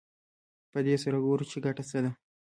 په دې سره ګورو چې ګټه څه ده